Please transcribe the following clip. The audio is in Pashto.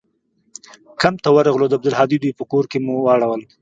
کمپ ته ورغلو د عبدالهادي دوى په کور کښې مو واړول.